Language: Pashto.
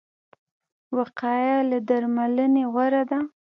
وقایه له درملنې غوره ده